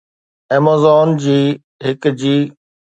Amazon جي هڪ چي